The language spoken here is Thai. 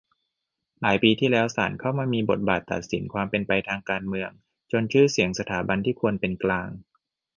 หลายปีที่แล้ว ศาลเข้ามามีบทบาทตัดสินความเป็นไปทางการเมือง จนชื่อเสียงสถาบันที่ควรเป็นกลาง